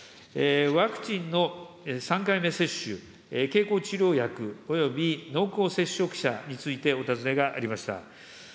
ワクチンの３回目接種、経口治療薬および濃厚接触者についてお尋ねがありました。